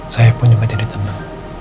saya pun juga jadi tenang